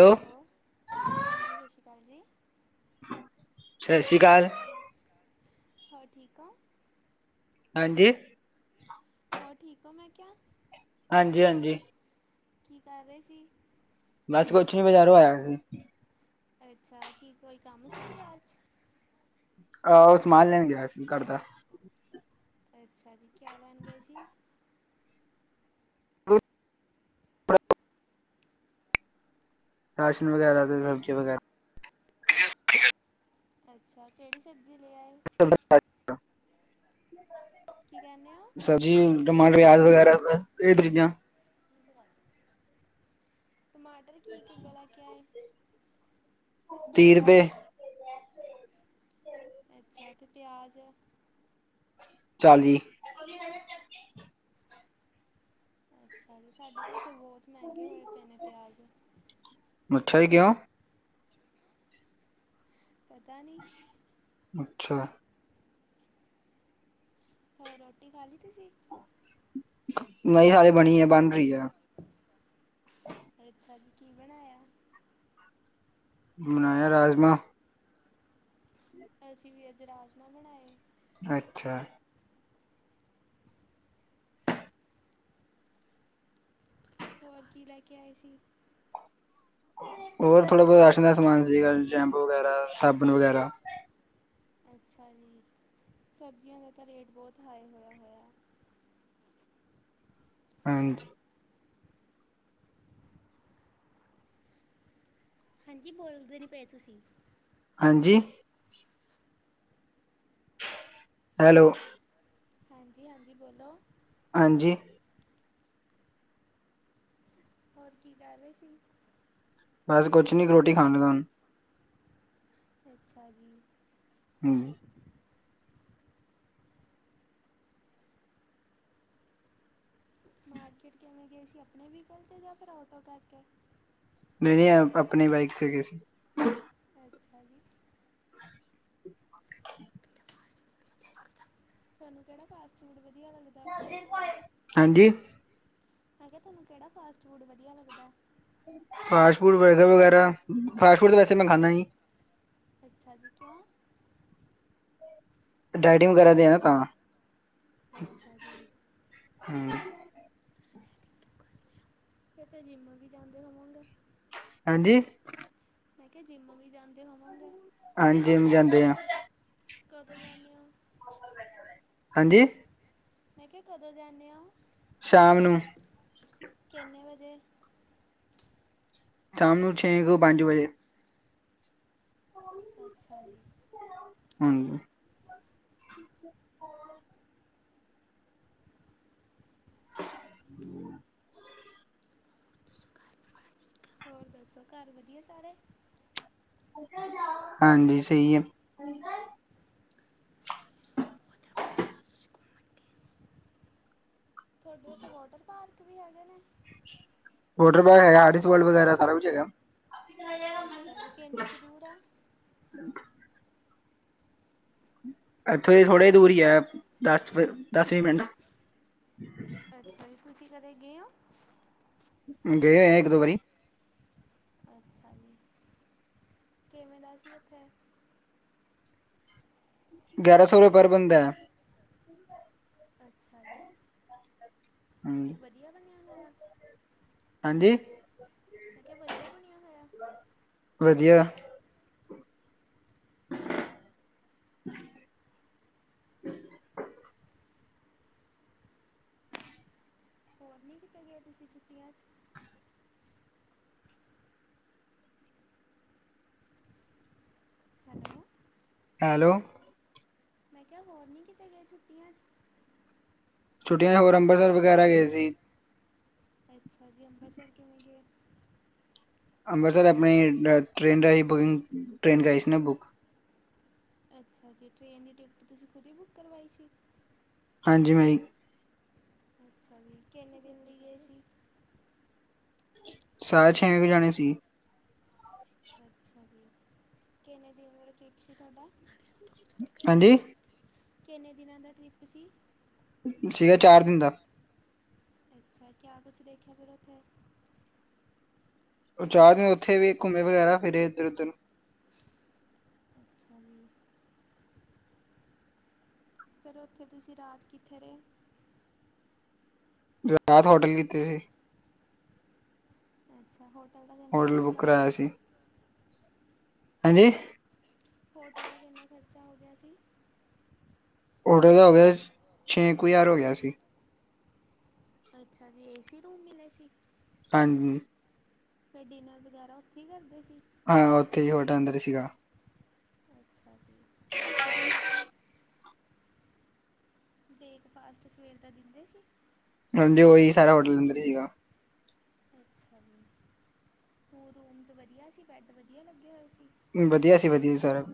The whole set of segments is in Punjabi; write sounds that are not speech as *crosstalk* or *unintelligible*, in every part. ਹੈਲੋ, ਹਾਂਜੀ ਸਤਿ ਸ਼੍ਰੀ ਅਕਾਲ ਜੀ। ਸਤਿ ਸ਼੍ਰੀ ਅਕਾਲ। ਹੋਰ ਠੀਕ ਐ। ਹਾਂਜੀ। ਹੋਰ ਠੀਕ ਹੋ ਮੈਂ ਕਿਆ। ਹਾਂਜੀ ਹਾਂਜੀ। ਕੀ ਕਰ ਰੇ ਸੀ। ਬਸ ਕੁਛ ਨੀਂ ਬਜਾਰੋਂ ਆਇਆ ਸੀ। ਅੱਛਾ ਕੀ ਕੋਈ ਕੰਮ ਸੀ ਬਾਜ਼ਾਰ ਚ। ਆਹ ਉਹ ਸਮਾਨ ਲੈਣ ਗਿਆ ਸੀ ਘਰ ਦਾ। ਅੱਛਾ ਜੀ, ਕਿਆ ਲੈਣ ਗਏ ਸੀ। ਰਾਸ਼ਨ ਵਗੈਰਾ ਤੇ ਹਾਂਜੀ ਸਬਜ਼ੀ ਵਗੈਰਾ। ਅੱਛਾ, ਕਿਹੜੀ ਸਬਜ਼ੀ ਲੇ ਆਏ? *inaudible* ਕੀ ਕਹਿੰਦੇ ਹੋ ਸਬਜ਼ੀ ਟਮਾਟਰ ਵਿਆਜ ਵਗੈਰਾ ਇਹ ਚੀਜ਼ਾਂ। *inaudible* ਟਮਾਟਰ ਕੀ ਕਿੱਲੋ ਲੈ ਕੇ ਆਏ। ਤੀਅ ਰਪਏ। ਅੱਛਾ ਤੇ ਪਿਆਜ਼? ਚਾਲੀ। *inaudible* ਅੱਛਾ ਜੀ, ਸਾਡੇ ਤਾਂ ਇੱਥੇ ਬਹੁਤ ਮਹਿੰਗੇ ਹੋਏ ਪਏ ਨੇ ਪਿਆਜ਼। ਅੱਛਾ ਜੀ, ਕਿਉ? ਪਤਾ ਨ੍ਹੀਂ। ਅੱਛਾ। ਹੋਰ ਰੋਟੀ ਖਾ ਲਈ ਤੂਸੀ? ਨਈਂ ਹਜੇ ਬਣੀ ਐ, ਬਣ ਰਈ ਐ। ਅੱਛਾ ਜੀ ਕੀ ਬਣਾਇਆ? ਬਣਾਇਆ ਰਾਜਮਾ। ਅਸੀਂ ਵੀ ਅੱਜ ਰਾਜਮਾਹ ਬਣਾਏ। ਅੱਛਾ। ਹੋਰ ਕੀ ਲੈਕੇ ਆਏ ਸੀ। ਹੋਰ ਥੋੜਾ ਬੋਤਾ ਰਾਸ਼ਨ ਦਾ ਸਮਾਨ ਸੀਗਾ, ਸ਼ੈਂਪੂ ਵਗੈਰਾ, ਸਾਬਣ ਵਗੈਰਾ। ਅੱਛਾ ਜੀ, ਸਬਜ਼ੀਆਂ ਦਾ ਤਾਂ ਰੇਟ ਬਹੁਤ ਹਾਈ ਹੋਇਆ ਹੋਇਆ। ਹਾਂਜੀ। ਹਾਂਜੀ ਬੋਲਦੇ ਨ੍ਹੀਂ ਪਏ ਤੁਸੀਂ। ਹਾਂਜੀ। ਹੈਲੋ। ਹਾਂਜੀ ਹਾਂਜੀ, ਬੋਲੋ। ਹਾਂਜੀ। ਹੋਰ ਕੀ ਕਰ ਰੇ ਸੀ? ਬਸ ਕੁਛ ਨੀ ਰੋਟੀ ਖਾਣ ਦਾ ਹੁਣ। ਅੱਛਾ ਜੀ। ਹਂ। ਮਾਰਕੀਟ ਕਿਵੇਂ ਗਏ ਸੀ ਆਪਣੇ ਵੀਕਲ ਤੇ ਜਾਂ ਫਿਰ ਆਟੋ ਕਰਕੇ। ਨਈਂ ਨਈਂ, ਆਪਣੇ ਬਾਈਕ ਤੇ ਗਏ ਸੀ। ਅੱਛਾ ਜੀ। ਤੁਆਨੂੰ ਕੈੜਾ ਫਾਸਟ ਫੂਡ ਵਧੀਆ ਲਗਦਾ? ਹਾਂਜੀ? ਮੈਂ ਕਿਆ ਤੁਆਨੂੰ ਕੇੜਾ ਫਾਸਟ ਫੂਡ ਵਧੀਆ ਲੱਗਦਾ? ਫਾਸਟ ਫੂਡ ਬਰਗਰ ਵਗੈਰਾ, ਫਾਸਟ ਫੂਡ ਤਾਂ ਵੈਸੇ ਮੈਂ ਖਾਂਦਾ ਨਈਂ। ਅੱਛਾ ਜੀ, ਕਿਉਂ? ਡਾਈਟਿੰਗ ਵਗੈਰਾ ਤੇ ਆਂ ਨਾਂ ਤਾਂ। ਅੱਛਾ ਜੀ। ਹਂ। ਕਿਤੇ ਜਿੰਮ ਵੀ ਜਾਂਦੇ ਹੋਵੋਂਗੇ? ਹਾਂਜੀ? ਮੈਂ ਕਿਆ ਜਿੰਮ ਵੀ ਜਾਂਦੇ ਹੋਵੋਂਗੇ? ਹਾਂਜੀ, ਜਿੰਮ ਜਾਂਦੇ ਆਂ। ਕਦੋਂ ਜਾਂਣੇ ਓਂ? ਹਾਂਜੀ? ਮੈਂ ਕਿਆ ਕਦੋਂ ਜਾਂਣੇ ਓਂ? ਸ਼ਾਮ ਨੂੰ। ਕਿੰਨੇ ਵਜੇ? ਸ਼ਾਮ ਨੂੰ ਛੇ ਕ ਪੰਜ ਵਜੇ। ਅੱਛਾ ਜੀ। ਹਾਂਜੀ। *inaudible* ਹੋਰ ਦੱਸੋ ਘਰ ਵਧੀਆ ਸਾਰੇ। ਹਾਂਜੀ ਸਈ ਐ। ਸਨੀ ਸ ਦੇ ਵਾਦਰ ਪਾਰਕ ਸੀ ਉਸ ਸ਼ ਘੂਮਤ ਦੀ ਸੀ। ਤੁਹਾਡੇ ਉੱਥੇ ਵਾਟਰ ਪਾਰਕ ਵੀ ਹੈਗੇ ਨੇ? ਵੋਟਰ ਪਾਰਗ ਹੈਗਾ, ਆੜੀਸ ਵਲਡ ਵਗੈਰਾ ਸਾਰਾ ਕੁਛ ਹੈਗਾ। ਅੱਛਾ ਜੀ, ਕਿੰਨੀ ਕੁ ਦੂਰ ਆ? ਇੱਥੋਂ ਥੋੜ੍ਹਾ ਦੂਰੀ ਐ ਦਸ, ਦਸ-ਵੀਅ ਮਿੰਟ। *inaudible* ਅੱਛਾ ਜੀ, ਤੁਸੀਂ ਕਦੇ ਗੇਂ ਔਂ? ਗੇ ਹੋਏ ਆਂ ਇੱਕ ਦੋ ਵਾਰੀ। ਅੱਛਾ ਜੀ, ਕਿਵੇਂ ਦਾ ਸੀ ਉੱਥੇ? ਗਿਆਰਾਂ ਸੌ ਰੁਪਏ ਪਰ ਬੰਦਾ ਐ। ਅੱਛਾ ਜੀ। ਹਾਂਜੀ ਵਧੀਆ ਬਣਿਆ ਲਾਇਆ ਹਾਂਜੀ ਮੈਂ ਕਿਹਾ ਵਧੀਆ ਬਣਿਆ ਹੋਇਆ ਵਧੀਆ *inaudible* ਹੋਰ ਨਹੀਂ ਕੀਤੇ ਗਏ ਤੁਸੀਂ ਛੁੱਟੀਆਂ 'ਚ ਹੈਲੋ ਹੈਲੋ ਮੈਂ ਕਿਹਾ ਹੋਰ ਨੀ ਕੀਤੇ ਗਏ ਛੁੱਟੀਆਂ 'ਚ ਛੁੱਟੀਆਂ 'ਚ ਹੋਰ ਅੰਬਰਸਰ ਵਗੈਰਾ ਗਏ ਸੀ ਅੱਛਾ ਜੀ ਅੰਬਰ ਸਾਹਿਬ ਕਿਵੇਂ ਗਏ ਅੰਬਰਸਰ ਆਪਣੀ ਟ੍ਰੇਨ ਰਾਹੀਂ ਬੁਕਿੰਗ ਟ੍ਰੇਨ ਕਰਾਹੀ ਸੀ ਨਾ ਬੁੱਕ ਅੱਛਾ ਜੀ ਟ੍ਰੇਨ ਦੀ ਟਿਕਟ ਤੁਸੀਂ ਖੁਦ ਹੀ ਬੁੱਕ ਕਰਵਾਈ ਸੀ ਹਾਂਜੀ ਮੈੰ ਹੀ ਅੱਛਾ ਜੀ ਕਿੰਨੇ ਦਿਨ ਲਈ ਗਏ ਸੀ ਸਾਰੇ ਛੇ ਕ ਜਾਣੇ ਸੀ ਅੱਛਾ ਜੀ ਕਿੰਨੇ ਦਿਨ ਬਾਰੇ ਟ੍ਰਿਪ ਸੀ ਤੁਹਾਡਾ ਹਾਂਜੀ ਕਿੰਨੇ ਦਿਨਾਂ ਦਾ ਟ੍ਰਿਪ ਸੀ ਸੀਗਾ ਚਾਰ ਦਿਨ ਦਾ ਅੱਛਾ ਕਿਆ ਕੁਛ ਦੇਖਿਆ ਫਿਰ ਉੱਥੇ ਉਹ ਚਾਰ ਦਿਨੇ ਉੱਥੇ ਵੀ ਘੁੰਮੇ ਵਗੈਰਾ ਫਿਰੇ ਇੱਧਰ ਉੱਧਰ ਅੱਛਾ ਜੀ- ਫੇਰ ਉੱਥੇ ਤੁਸੀਂ ਰਾਤ ਕਿੱਥੇ ਰਹੇ ਜਦਾ ਹੋਟਲੀ ਤੇ ਅੱਛਾ ਹੋਟਲ ਦਾ ਕਿੰਨਾ ਹੋਟਲ ਬੁੱਕ ਖਰਚਾ ਹੋ ਕਰਾਇਆ ਗਿਆ ਸੀ। ਹਾਂਜੀ ਹੋਟਲ ਦਾ ਕਿੰਨਾ ਖ਼ਰਚਾ ਹੋ ਗਿਆ ਸੀ। ਔਡੋ ਦਾ ਹੋ ਗਿਆ ਛੇ ਕੁ ਹਜ਼ਾਰ ਹੋ ਗਿਆ ਸੀ। ਅੱਛਾ ਜੀ ਏ ਸੀ ਰੂਮ ਮਿਲੇ ਸੀ। ਹਾਂਜੀ ਤੇ ਡਿਨਰ ਵਗੈਰਾ ਉੱਥੇ ਹੀ ਕਰਦੇ ਸੀ। ਹਾਂ ਉੱਥੇ ਹੀ ਹੋਟਲ ਅੰਦਰ ਸੀਗਾ ਅੱਛਾ ਜੀ *inaudible* ਬ੍ਰੇਕਫਾਸਟ ਸਵੇਰ ਦਾ ਦਿੰਦੇ ਸੀ। ਹਾਂਡੀ ਉਹੀ ਸਾਰਾ ਹੋਟਲ ਅੰਦਰ ਹੀ ਸੀਗਾ ਅੱਛਾ ਜੀ ਹੋਰ ਰੂਮ 'ਚ' ਵਧੀਆ ਸੀ। ਬੈਡ ਵਧੀਆ ਲੱਗੇ ਹੋਏ ਸੀ। ਵਧੀਆ ਸੀ-ਵਧੀਆ ਸੀ ਸਾਰਾ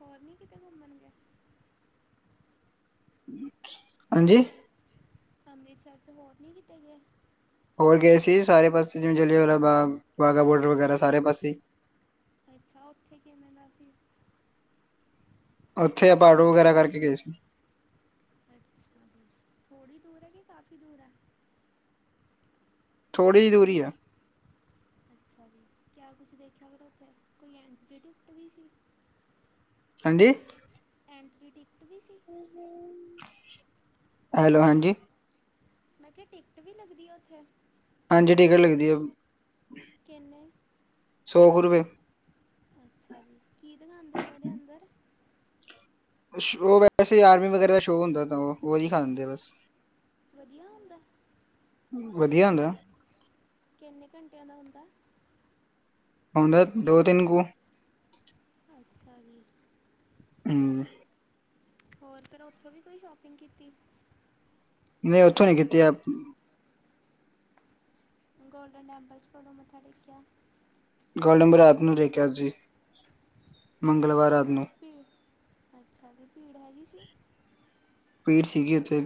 ਹੋਰ ਨੀ ਕਿਤੇ ਘੁੰਮਣ ਗਏ ਹਾਂਜੀ ਅੰਮ੍ਰਿਤਸਰ 'ਚ ਵੋਰ ਨਹੀਂ ਕੀਤੇ ਗਏ ਹੋਰ ਗਏ ਸੀ। ਸਾਰੇ ਪਾਸੇ ਜਿਵੇਂ ਜਿਲੇਵਲਾ ਬਾਗ ਵਾਗਾ ਬੋਡਰ ਵਗੈਰਾ ਸਾਰੇ ਪਾਸੇ ਅੱਛਾ ਉੱਥੇ ਕਿਵੇੰਦਾ ਸੀ। ਉੱਥੇ ਆਪਾ ਆਟੋ ਵਗੈਰਾ ਕਰਕੇ ਗਏ ਸੀ। *unintelligible* ਥੋੜੀ ਦੂਰ ਹੈ ਕਿ ਕਾਫ਼ੀ ਦੂਰ ਹੈ? ਥੋੜੀ ਦੂਰੀ ਈ ਹੈ। ਅੱਛਾ ਜੀ ਕਿਆ ਕੁਛ ਦੇਖਿਆ ਫੇਰ ਉੱਥੇ ਕੋਈ ਐਂਟਰੀ ਟਿਕਟ ਵੀ ਸੀ? ਹਾਂਜੀ ਐਂਟਰੀ ਟਿਕਟ ਵੀ ਸੀ? ਹੈਲੋ, ਹਾਂਜੀ? ਮੈਂ ਕਿਹਾ ਟਿਕਟ ਵੀ ਲੱਗਦੀ ਹੈ ਉੱਥੇ? ਹਾਂਜੀ ਟਿਕਟ ਲੱਗਦੀ ਹੈ। ਕਿੰਨੇ? ਸੌ ਕੁੁ ਰੁਪੇ। ਅੱਛਾ ਜੀ ਕੀ ਦਿਖਾਂਦੇ ਨੇ ਉਹਦੇ ਅੰਦਰ? ਸੋਅ ਵੈਸੇ ਆਰਮੀ ਵਗੈਰਾ ਦਾ ਸ਼ੋਅ ਹੁੰਦਾ ਤਾਂ ਉਹ ਹੀ ਦਿਖਾਂਦੇ ਆ ਬਸ। ਵਧੀਆ ਹੁੰਦਾ? ਵਧੀਆ ਹੁੰਦਾ। ਕਿੰਨੇ ਘੰਟਿਆਂ ਦਾ ਹੁੰਦਾ? ਹੋਂਦਾ ਤੇ ਦੋ, ਤਿੰਨ ਕੁ ਅੱਛਾ ਜੀ। *unintelligible* ਹੋਰ ਫ਼ੇਰ ਉੱਥੋਂ ਵੀ ਕੋਈ ਸ਼ੋਪਿੰਗ ਕੀਤੀ? ਨਹੀਂ ਉੱਥੋਂ ਨੀ ਕੀਤੀ ਆ ਗੋਲਡਨ ਟੈਂਪਲ 'ਚ ਕਦੋਂ ਮੱਥਾ ਟੇਕਯਾ? *unintelligible* ਰਾਤ ਨੂੰ ਦੇਖਿਆ ਸੀ ਮੰਗਲਵਾਰ ਰਾਤ ਨੂੰ *unintelligible* ਅੱਛਾ ਜੀ ਭੀੜ ਹੈਗੀ ਸੀ? ਭੀੜ ਸੀਗੀ ਉੱਥੇ।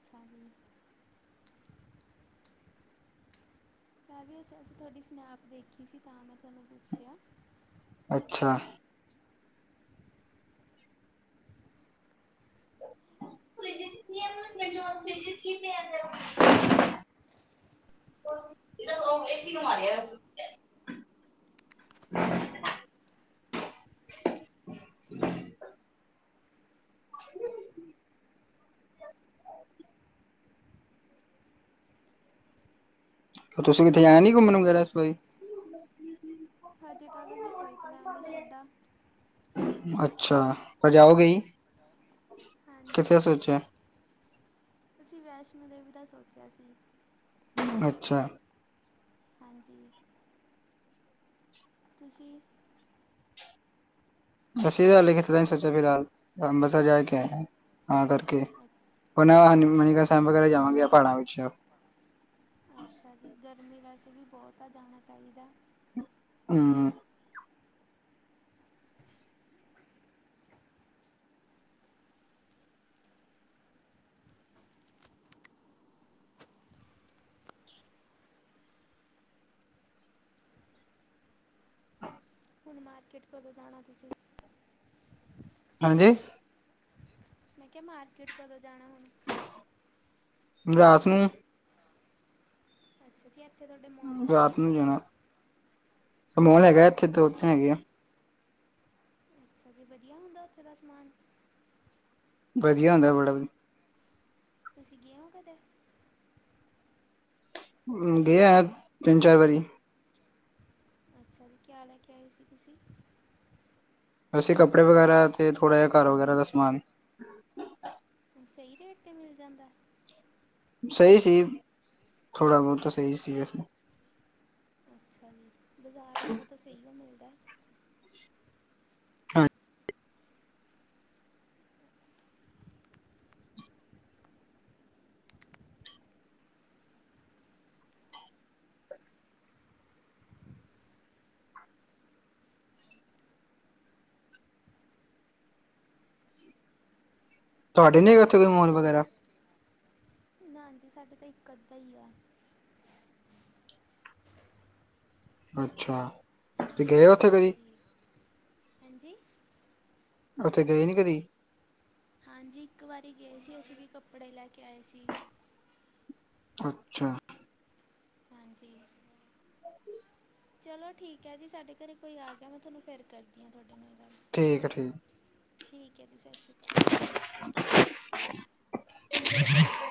ਅਛਾ ਜੀ। ਮੈ ਵੀ ਅਸੀ ਅਸੀ ਤੁਵਾਡੀ ਸਨੈਪ ਦੇਖੀ ਸੀ ਤਾਂ ਮੈ ਤੁਵਾਨੂੰ ਪੁੱਛਿਆ। ਅਛਾ। *unintelligible* *unintelligible* *unintelligible* ਤੁਸੀ ਕਿਥੇ ਜਾਣਾ ਨੀ ਘੁੰਮਣ ਵਗੈਰਾ ਇਸ ਵਾਰੀ? ਹਜੇ ਤਾ ਜੀ ਕੋਈ ਪਲੈਨ ਨੀ। *unintelligible* ਅਛਾ ਤੇ ਜਾਓ ਗੇ ਈ ਕਿਥੇ ਸੋਚਿਯਾ? ਅਸੀ ਵੈਸ਼ਨੋ ਦੇਵੀ ਦਾ ਸੋਚਿਆ ਸੀ। ਅਛਾ- ਹਾਂਜੀ- ਤੁਸੀ? ਅਸੀ ਤਾਂ ਹਲੇ ਕਿਤੇ ਦਾ ਨੀ ਸੋਚਿਆ ਫਿਲਹਾਲ ਅੰਬਸਰ ਜਾ ਕੇ ਆਏ ਆ ਤਾਂ ਕਰਕੇ। ਅੱਛ ਹੁਣ ਹਨ ਮਨੀਕਰਨ ਅੱਛਾ ਜੀ ਸਾਹਿਬ ਵਗੈਰਾ ਜਾਵਾਂਗੇ ਪਹਾੜਾ ਵਿਚ। ਅਛਾ ਜੀ ਗਰਮੀ ਵੈਸੇ ਵੀ ਬਹੁਤ ਹੈ ਜਾਣਾ ਚਾਹੀਦਾ। ਹੂੰ। ਹੁਣ ਮਾਰਕਿਟ ਕਦੋਂ ਜਾਣਾ ਤੁਸੀ? ਹਾਂਜੀ- ਮੈਂ ਕਿਆ ਮਾਰਕੀਟ ਕਦੋਂ ਜਾਨਾ ਹੁਨ ਰਾਤ ਨੂੰ ਅੱਛਾ ਜੀ ਐਥੇ ਥੋਡੇ ਰਾਤ ਨੂੰ ਜਾਨਾ, ਮੋਲ ਹੈਗਾ ਏਥੇ ਤੇ ਓਥੇ ਹੈਗੇ ਆ। ਅੱਛਾ ਜੀ ਵਦੀਆ ਹੁੰਦਾ ਓਥੇ ਦਾ ਸਮਾਨ। ਵਦੀਆ ਹੁੰਦਾ ਬੜਾ ਵੀ। ਤੁਸੀ ਗਏ ਓਂ ਕਦੇ। ਹੂੰ ਗੇਆ ਤਿੰਨ ਚਾਰ ਵਾਰੀ। ਅੱਛਾ ਜੀ ਕਿਆ ਲੈ ਕੇ ਆਏ ਸੀ ਤੁਸੀ। ਅਸੀ ਕੱਪੜੇ ਵਗੈਰਾ ਤੇ ਥੋੜ੍ਹਾ ਜਾ ਘਰ ਵਗੈਰਾ ਦਾ ਸਮਾਨ। ਸਈ ਰੇਟ ਤੇ ਮਿਲ ਜਾਂਦਾ। ਸਈ ਸੀ, ਥੋੜ੍ਹਾ ਬੋਤਾ ਸਈ ਸੀ ਵੈਸੇ। ਅੱਛਾ ਜੀ, ਬਾਜਾਰ ਨਾਲੋਂ ਤਾਂ ਸਈਓ ਮਿਲਦਾ। ਹਾਂ ਤੁਆਡੇ ਲਈ ਵੀ ਓਥੇ ਕੋਈ ਮੋਲ ਵਗੈਰਾ। ਨਾਂਜੀ ਸਾਡੇ ਤਾਂ ਇਕ ਅੱਦਾ ਈ ਆ। ਅੱਛਾ, ਤੇ ਗਏ ਓ ਹਾਂਜੀ-ਹੈਂਜੀ। ਓਥੇ ਗਏ ਨੀ ਕਦੀ। ਹਾਂਜੀ ਇਕ ਵਾਰੀ ਗਏ ਸੀ ਅਸੀ ਵੀ ਕੱਪੜੇ ਲੈ ਕੇ ਆਏ ਸੀ। ਅੱਛਾ। ਹਾਂਜੀ। ਚਲੋ ਠੀਕ ਐ ਜੀ ਸਾਡੇ ਘਰੇ ਕੋਈ ਆ ਗੇਆ ਮੈ ਥੋਨੂੰ ਫੇਰ ਕਰਦੀ ਆਂ ਥੋਡੇ ਨਾਲ ਗੱਲ। ਠੀਕ ਐ ਠੀਕ। ਠੀਕ ਐ ਜੀ ਸਸ ਰੀ ਕਾਲ। *inaudible*